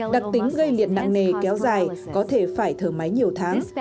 đặc tính gây liệt nặng nề kéo dài có thể phải thở máy nhiều tháng